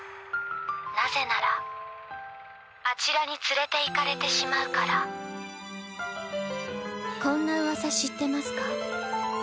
なぜならあちらに連れていかれてしまうからこんな噂知ってますか？